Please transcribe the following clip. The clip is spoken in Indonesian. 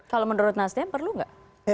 kalau menurut nasdem perlu nggak